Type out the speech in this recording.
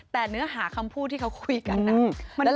แต่เนื้อหาคำพูดที่เขาคุยกันนะ